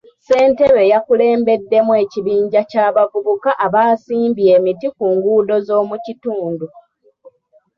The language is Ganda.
Ssentebe yakulembeddemu ekibinja ky'abavubuka abaasimbye emiti ku nguudo z'omu kitundu.